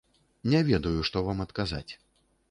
Не ведаю, што вам адказаць.